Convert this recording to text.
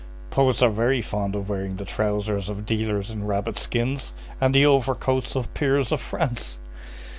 Poets are very fond of wearing the trousers of dealers in rabbit skins and the overcoats of peers of France."